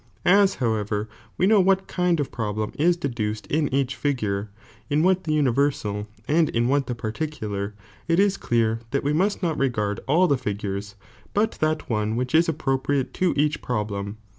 As, however, we know what kind of problem is deduced in each figure,* in what the universal, and in what the particular, it is clear (hat we must not regard all the figures, but that one which is appropriate (o each problem.